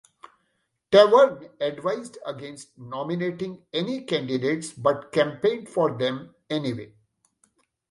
Taverne advised against nominating any candidates but campaigned for them anyway.